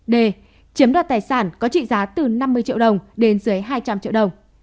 d chiếm đoạt tài sản có trị giá từ năm mươi triệu đồng đến dưới hai trăm linh triệu đồng